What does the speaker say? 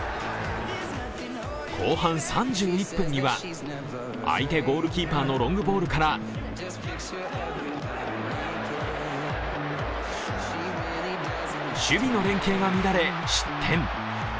後半３１分には相手ゴールキーパーのロングボールから守備の連係が乱れ、失点。